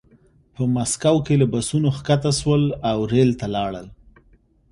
په مسکو کې له بسونو ښکته شول او ریل ته لاړل